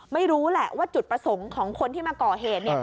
ไม่รู้แหละว่าจุดประสงค์ของคนที่มาก่อเหตุ